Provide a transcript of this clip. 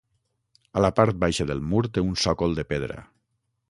A la part baixa del mur té un sòcol de pedra.